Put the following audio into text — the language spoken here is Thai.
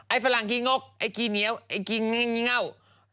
ไอ้กีเหงาไอ้กีเหนียวไอ้กีเง่งเง่า